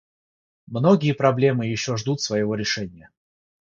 Многие проблемы еще ждут своего решения.